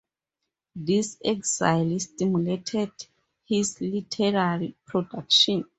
This exile stimulated his literary production.